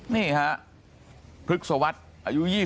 นี่ฮะพฤกษวรรษอายุ๒๐